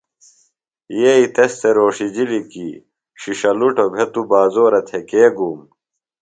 یئی تس تھےۡ رھوݜِجِلیۡ کی ݜِݜَلُٹوۡ بھےۡ توۡ بازورہ تھےۡ کے گُوم۔